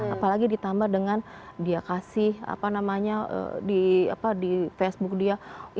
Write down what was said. apalagi ditambah dengan dia kasih apa namanya di facebook dia